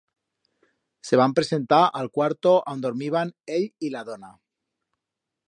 Se van presentar a'l cuarto a on dormiban ell y la dona.